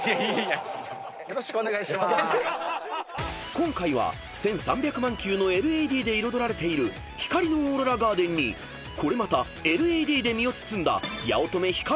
［今回は１，３００万球のＬＥＤで彩られている光のオーロラガーデンにこれまたＬＥＤで身を包んだ八乙女光が忍び込む］